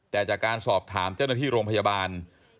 แต่จากการสอบถามเจ้าหน้าที่โรงพยาบาล